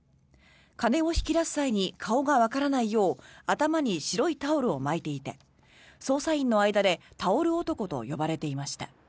金を引き出す際に顔がわからないよう頭に白いタオルを巻いていて捜査員の間でタオル男と呼ばれていました。